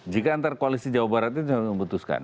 jika antar koalisi jawa barat itu sudah memutuskan